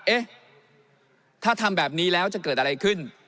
เอ๊ะถ้าทำแบบนี้แล้วจะเกิดอะไรขึ้น